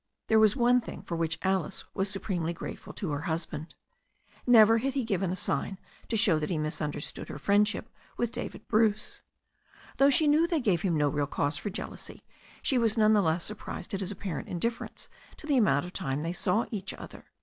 There was one thing for which Alice was supremely grateful to her husband. Never had he given a sign to show that he misunderstood her friendship with David Bruce. Though she knew they gave him no real cause for jealousy, she was none the less surprised at his apparent indifference to the amount of time they saw each other.